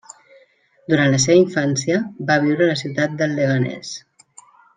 Durant la seva infància, va viure a la ciutat del Leganés.